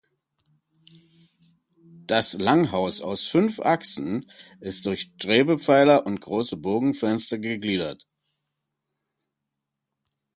Das Langhaus aus fünf Achsen ist durch Strebepfeiler und große Bogenfenster gegliedert.